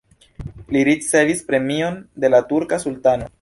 Li ricevis premion de la turka sultano.